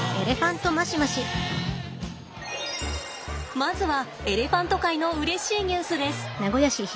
まずはエレファント界のうれしいニュースです。